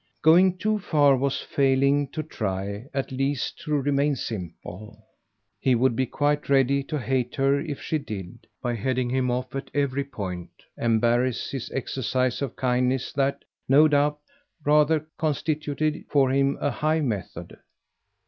Going too far was failing to try at least to remain simple. He would be quite ready to hate her if she did, by heading him off at every point, embarrass his exercise of a kindness that, no doubt, rather constituted for him a high method.